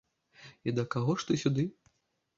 І да каго ж ты сюды?